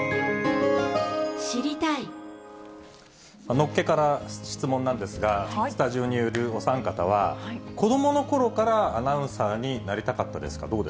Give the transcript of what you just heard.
のっけから質問なんですが、スタジオにいるお三方は、子どものころからアナウンサーになりたかったですか？